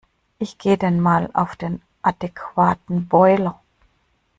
Ich geh' dann mal auf den adequaten Boiler.